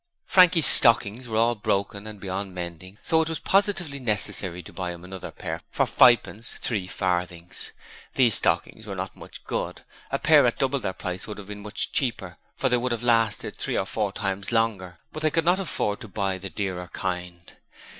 Frankie's stockings were all broken and beyond mending, so it was positively necessary to buy him another pair for fivepence three farthings. These stockings were not much good a pair at double the price would have been much cheaper, for they would have lasted three or four times longer; but they could not afford to buy the dearer kind.